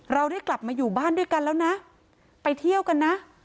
เราได้กลับมาอยู่บ้านด้วยกันแล้วนะไปเที่ยวกันนะ